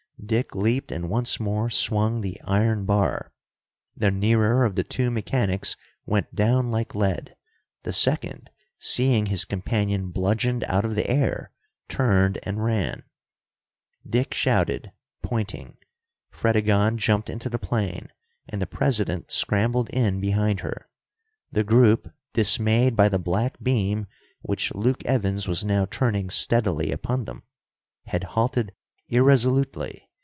Dick leaped and once more swung the iron bar. The nearer of the two mechanics went down like lead, the second, seeing his companion bludgeoned out of the air, turned and ran. Dick shouted, pointing. Fredegonde jumped into the plane, and the President scrambled in behind her. The group, dismayed by the black beam, which Luke Evans was now turning steadily upon them, had halted irresolutely.